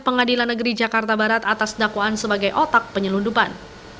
pengadilan negeri jakarta barat atas dakwaan sebagai otak penyelundupan